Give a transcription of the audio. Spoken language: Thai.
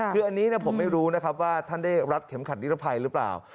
คืออันนี้ผมไม่รู้นะครับว่าท่านได้รัดเข็มขัดนิรภัยหรือเปล่า